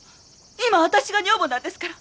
今は私が女房なんですから。